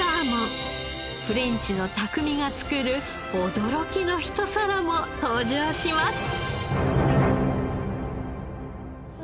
フレンチの匠が作る驚きのひと皿も登場します。